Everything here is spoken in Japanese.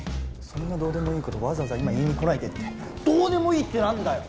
そんなどうでもいい事わざわざ今言いに来ないでってどうでもいいってなんだよ！